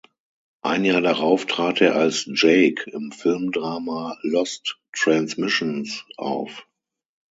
Ein Jahr darauf trat er als "Jake" im Filmdrama "Lost Transmissions" auf.